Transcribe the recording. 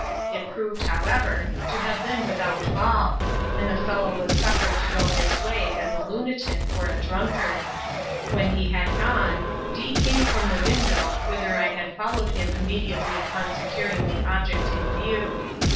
It proved, however, to have been without ball, and the fellow was suffered to go his way as a lunatic or a drunkard. When he had gone, D—— came from the window, whither I had followed him immediately upon securing the object in view.